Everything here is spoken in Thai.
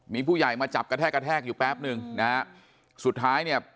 มีผู้ใหญ่มาจับกระแทกกระแทกอยู่แป๊บหนึ่งนะฮะสุดท้ายเนี่ย